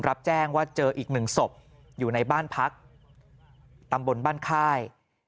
รับแจ้งว่าเจออีกหนึ่งศพอยู่ในบ้านพักตำบลบ้านค่าย